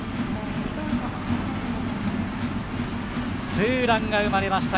ツーランが生まれました